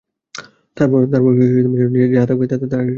তারপর যাহা থাকিবে, তাহাই বেদান্ত।